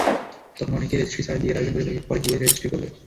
তখন অনেকে রেজিস্ট্রি ছাড়াই বিয়ের আয়োজন করে পরে বিয়ে রেজিস্ট্রি করবে।